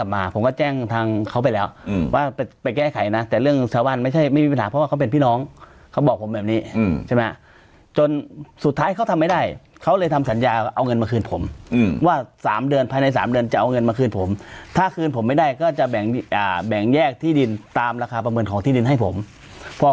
มาผมก็แจ้งทางเขาไปแล้วว่าไปแก้ไขนะแต่เรื่องชาวบ้านไม่ใช่ไม่มีปัญหาเพราะว่าเขาเป็นพี่น้องเขาบอกผมแบบนี้ใช่ไหมจนสุดท้ายเขาทำไม่ได้เขาเลยทำสัญญาเอาเงินมาคืนผมว่า๓เดือนภายใน๓เดือนจะเอาเงินมาคืนผมถ้าคืนผมไม่ได้ก็จะแบ่งแยกที่ดินตามราคาประเมินของที่ดินให้ผมพอ